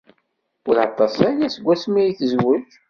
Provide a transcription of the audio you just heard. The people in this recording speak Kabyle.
Ur aṭas aya seg wasmi ay tezwej.